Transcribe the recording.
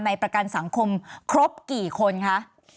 ประกันสังคมครบกี่คนคะ